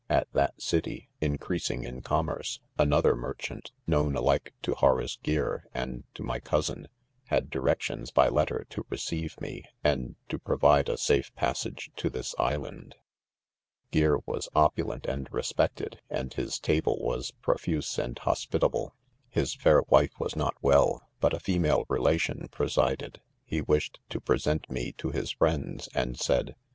At that city, increasing in 'commerce, another merchant, "known alike to /Horace Gear, and to my cousin, ■ had directions by letter, to receive me, and to provide a safe passage to ; this : islands ■'"■■■■■■:■■■•■■■•■■•■ i Gear was ' opulent and respected, and his table was profuse andiibspitable \ his fair wife was not well, but a female relation presided. 'He wished to. present me to his friends, 'and said